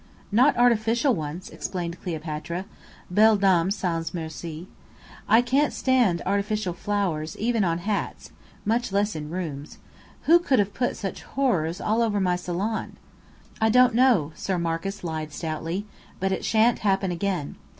"Not artificial ones," explained Cleopatra, belle dame sans merci. "I can't stand artificial flowers even on hats, much less in rooms. Who could have put such horrors all over my salon?" "I don't know," Sir Marcus lied stoutly; "but it shan't happen again.